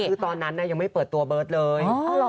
คือตอนนั้นยังไม่เปิดตัวเบิร์ตเลย